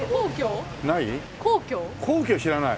皇居知らない？